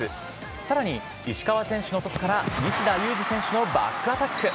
さらに、石川選手のトスから西田有志選手のバックアタック。